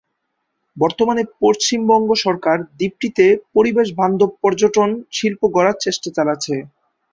বর্তমানে পশ্চিমবঙ্গ সরকার দ্বীপটিতে পরিবেশ বান্ধব পর্যটন শিল্প গড়ার চেষ্টা চালাছে।